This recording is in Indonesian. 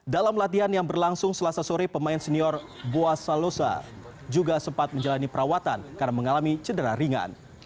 dalam latihan yang berlangsung selasa sore pemain senior bua salosa juga sempat menjalani perawatan karena mengalami cedera ringan